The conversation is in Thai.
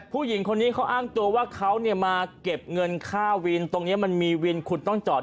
ผู้หญิงคนนี้เขาอ้างตัวว่าเขามาเก็บเงินค่าวินตรงนี้มันมีวินคุณต้องจอด